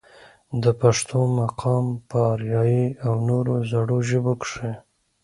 د پښتو مقام پۀ اريائي او نورو زړو ژبو کښې